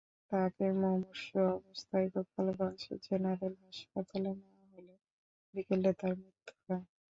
তাকে মুমূর্ষু অবস্থায় গোপালগঞ্জ জেনারেল হাসপাতালে নেওয়া হলে বিকেলে তার মৃত্যু হয়।